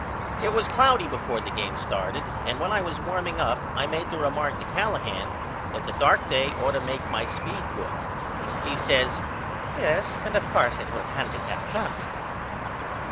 It was cloudy before the game started and when I was warming up I made the remark to Callahan that the dark day ought to make my speed good. He says Yes and of course it will handicap Johnson.